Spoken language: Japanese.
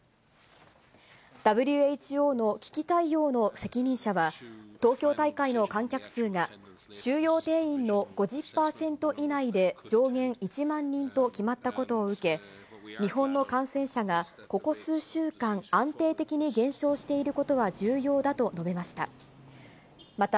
ＷＨＯの危機対応の責任者は、東京大会の観客数が、収容定員の５０％以内で、上限１万人と決まったことを受け、日本の感染者がここ数週間、安定的に減少していることは重要だと述べました。